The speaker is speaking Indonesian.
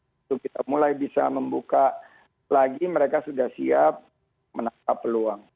untuk kita mulai bisa membuka lagi mereka sudah siap menatap peluang